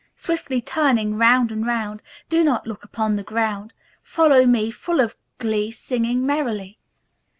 Swiftly turning round and round, Do not look upon the ground; Follow me, full of glee, Singing merrily."